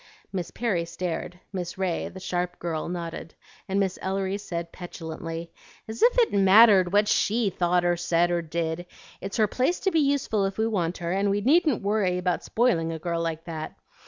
Miss Perry stared; Miss Ray, the sharp girl, nodded, and Miss Ellery said petulantly, "As if it mattered what SHE thought or said or did! It's her place to be useful if we want her, and we needn't worry about spoiling a girl like that.